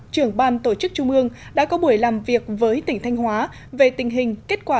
trưởng ban tổ chức trung ương đã có buổi làm việc với tỉnh thanh hóa về tình hình kết quả